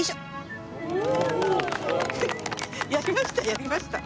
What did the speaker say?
やりました！